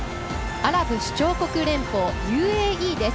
アラブ首長国連邦＝ＵＡＥです。